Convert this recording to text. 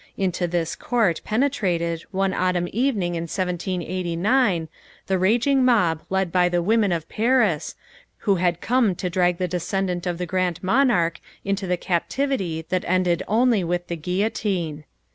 Into this court penetrated, one autumn evening in 1789, the raging mob led by the women of Paris, who had come to drag the descendant of the Grand Monarch into the captivity that ended only with the guillotine.